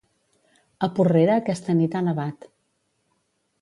A Porrera aquesta nit ha nevat.